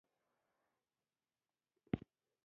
افغانستان کې ښارونه د نن او راتلونکي لپاره ارزښت لري.